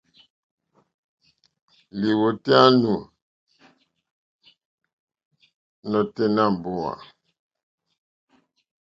Lìwòtéyá nù nôténá mòrzô.